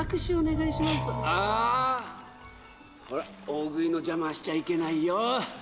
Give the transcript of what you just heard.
大食いの邪魔しちゃいけないよ。